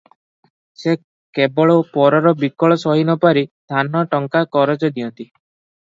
ସେ କେବଳ ପରର ବିକଳ ସହିନପାରି ଧାନ ଟଙ୍କା କରଜ ଦିଅନ୍ତି ।